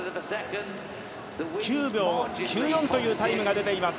９秒９４というタイムが出ています。